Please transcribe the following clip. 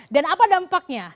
dan apa dampaknya